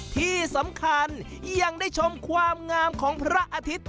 ที่สำคัญยังได้ชมความงามของพระอาทิตย์